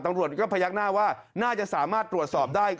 ตำรวจก็พยักหน้าว่าน่าจะสามารถตรวจสอบได้